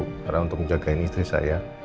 karena untuk menjaga istri saya